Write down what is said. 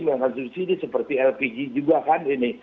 mencabut subsidi seperti lpg juga kan ini